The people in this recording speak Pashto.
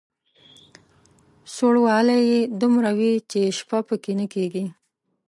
سوړوالی یې دومره وي چې شپه په کې نه کېږي.